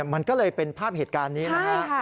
มันก็เลยเป็นภาพเหตุการณ์นี้นะฮะ